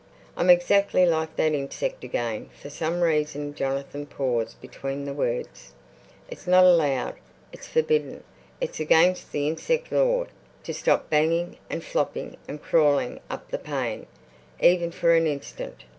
"I'm exactly like that insect again. For some reason"—Jonathan paused between the words—"it's not allowed, it's forbidden, it's against the insect law, to stop banging and flopping and crawling up the pane even for an instant.